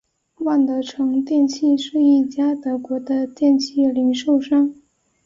万得城电器是一家德国的电器零售商。